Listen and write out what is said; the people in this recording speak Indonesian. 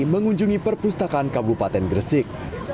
mengunjungi perpustakaan kabupaten gresik